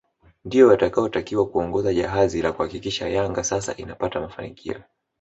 Ndio watakaotakiwa kuongoza jahazi la kuhakikisha Yanga sasa inapata mafanikio